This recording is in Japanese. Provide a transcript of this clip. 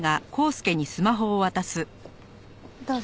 どうぞ。